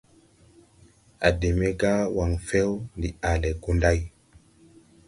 A de me ga wangfew, ndi ale Gunday.